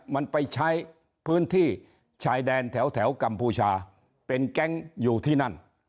มันไปใช้พื้นที่ชายแดนแถวกัมพูชาเป็นแก๊งอยู่ที่นั่น